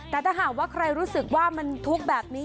แต่ถ้าหากว่าใครรู้สึกว่ามันทุกข์แบบนี้